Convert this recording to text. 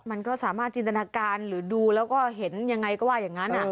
มันก็สามารถจินตนาการหรือดูแล้วก็เห็นยังไงก็ว่าอย่างนั้น